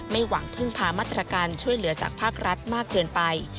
หวังพึ่งพามาตรการช่วยเหลือจากภาครัฐมากเกินไป